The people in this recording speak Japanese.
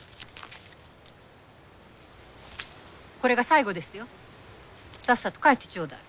これが最後ですよさっさと帰ってちょうだい。